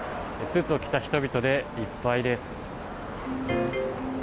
スーツを着た人々でいっぱいです。